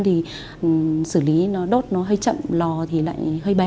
thì xử lý nó đốt nó hơi chậm lò thì lại hơi bé